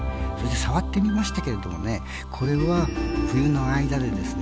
触ってみましたけれどもねこれは冬の間でですね